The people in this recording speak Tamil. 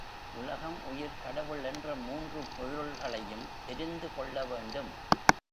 உலகம், உயிர், கடவுள் என்ற மூன்று பொருள்களையும் தெரிந்து கொள்ள வேண்டும்.